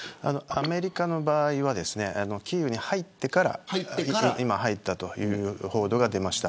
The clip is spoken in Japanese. アメリカの場合はキーウに入ってから今入ったという報道が出ました。